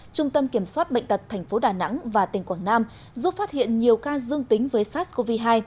trung tâm kiểm soát bệnh tật tp đà nẵng và tỉnh quảng nam giúp phát hiện nhiều ca dương tính với sars cov hai